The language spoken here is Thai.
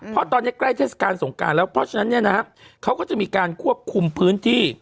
เพราะตอนนี้ใกล้เทศกาลสงการแล้วเพราะฉะนั้นเนี่ยนะฮะเขาก็จะมีการควบคุมพื้นที่